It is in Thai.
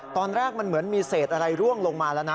ตอนแรกมันเหมือนมีเศษอะไรร่วงลงมาแล้วนะ